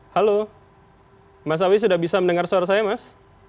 halo mas awi sudah bisa mendengar suara saya mas